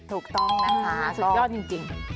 ถูกต้องนะคะสุดยอดจริง